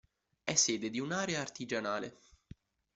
È sede di un'area artigianale.